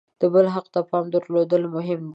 د بل حق ته پام درلودل مهم دي.